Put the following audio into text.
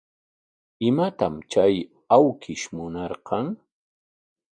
¿Imatam chay awkish munarqan?